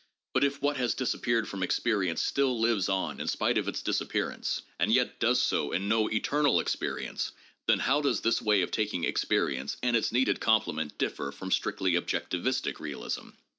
But if what has disappeared from experience still lives on in spite of its disappearance, and yet does so in no eternal Experience, then how does this way of taking experience and its needed complement differ from strictly objec tivistic realism?